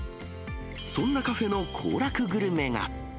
そんなカフェの行楽グルメが。